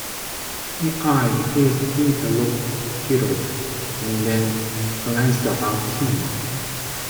He eyed his interlocutor, and then glanced about him.